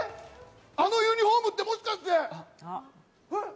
あのユニホームってもしかして？